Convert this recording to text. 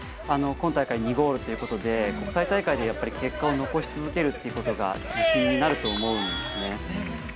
今大会２ゴールということで国際大会で結果を残し続けるということが自信になると思うんですね。